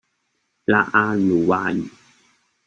拉阿魯哇語